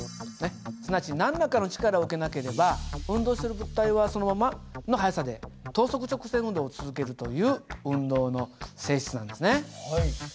すなわち何らかの力を受けなければ運動している物体はそのままの速さで等速直線運動を続けるという運動の性質なんですね。